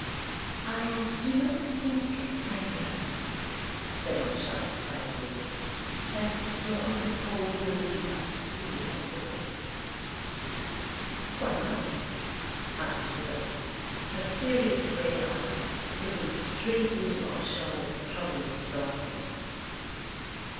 "I do not think, my dear," said Aunt Charlotte quietly, "that your Uncle Paul will be up to see you at all." "Why not?" asked Worth, her serious grey eyes looking straight into Aunt Charlotte's troubled dark ones.